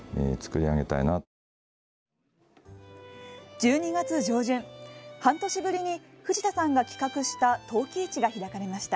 １２月上旬、半年ぶりに藤田さんが企画した陶器市が開かれました。